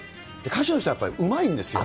歌手の人、やっぱりうまいんですよ。